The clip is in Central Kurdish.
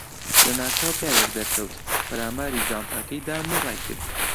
لەناکاو پیاوێک دەرکەوت، پەلاماری جانتاکەی دام و ڕایکرد.